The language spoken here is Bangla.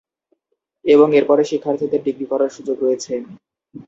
এবং এরপরে শিক্ষার্থীদের ডিগ্রি করার সুযোগ রয়েছে।